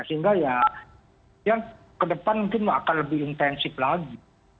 sehingga ya ke depan mungkin akan lebih intensif lagi